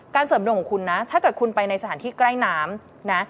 เสริมดวงของคุณนะถ้าเกิดคุณไปในสถานที่ใกล้น้ำนะ